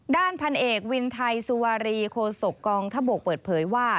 ด้านพันเอกวินไทยสุวารีโคศกกองทบกเปิดเผยว่า